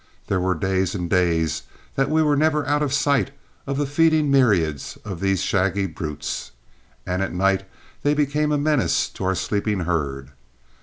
There were days and days that we were never out of sight of the feeding myriads of these shaggy brutes, and at night they became a menace to our sleeping herd.